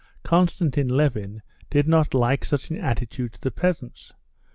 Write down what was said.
Konstantin Levin did not like such an attitude to the peasants.